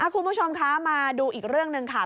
คุณผู้ชมคะมาดูอีกเรื่องหนึ่งค่ะ